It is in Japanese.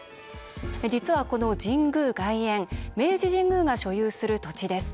実は、この神宮外苑明治神宮が所有する土地です。